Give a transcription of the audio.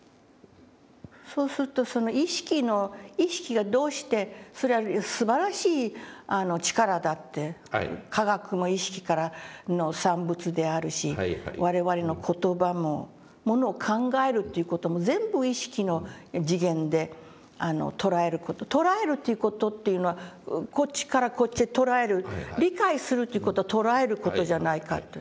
そうするとその意識の意識がどうしてそれはすばらしい力だって科学も意識からの産物であるし我々の言葉もものを考えるという事も全部意識の次元で捉える事捉えるという事というのはこっちからこっちへ捉える理解するという事は捉える事じゃないかと。